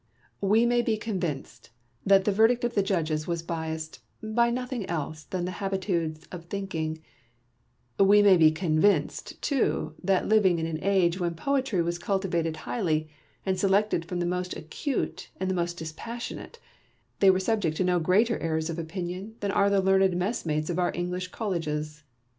"We may be convinced that the verdict of the judges was biassed by nothing else than the habitudes of thinking ; we may be convinced, too, that living in an age when poetry was cultivated highly, and selected from the most acute and the most dispassionate, they were sub ject to no greater errors of opinion than are the learned messmates of our English colleges. Porson.